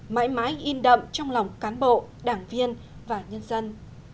mãi mãi in đậm trong lòng cán bộ đảng viên và nhân dân